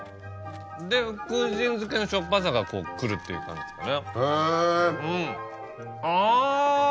で福神漬のしょっぱさがこうくるっていう感じですかね。